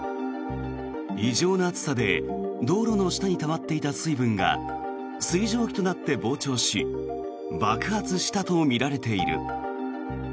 異常な暑さで道路の下にたまっていた水分が水蒸気となって膨張し爆発したとみられている。